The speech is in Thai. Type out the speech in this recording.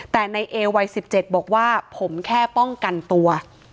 แต่ในเอวัย๑๗บอกว่าผมแค่ป้องกันตัว